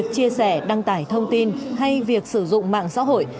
chia sẻ đăng tải thông tin hay việc sử dụng mạng xã hội